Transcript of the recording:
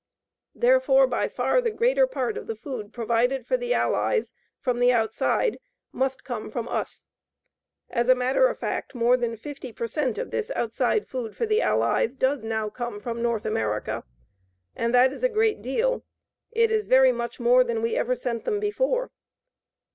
Therefore by far the greater part of the food provided for the Allies from the outside must come from us. As a matter of fact more than 50 per cent of this outside food for the Allies does now come from North America. And that is a great deal. It is very much more than we ever sent them before.